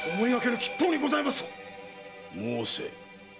申せ。